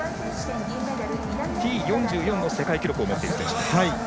Ｔ４４の世界記録を持っている選手です。